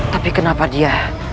tapi kenapa dia